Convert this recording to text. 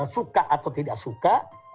suka atau tidak suka